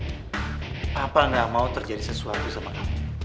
papa gak mau terjadi sesuatu sama kamu